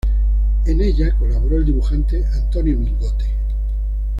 En ella colaboró el dibujante Antonio Mingote.